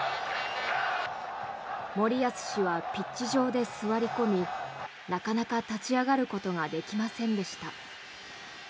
森保氏はピッチ上で座り込みなかなか立ち上がることができませんでした。